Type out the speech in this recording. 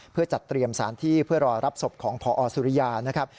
เพื่อจัดเตรียมสารที่เพื่อรอรับศพของพอสุริยานะครับ